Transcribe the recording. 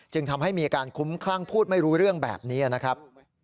ทำให้มีอาการคุ้มคลั่งพูดไม่รู้เรื่องแบบนี้นะครับ